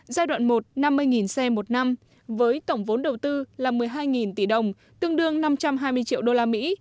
giai đoạn một năm mươi xe một năm với tổng vốn đầu tư là một mươi hai tỷ đồng tương đương năm trăm hai mươi triệu đô la mỹ